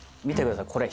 見てください。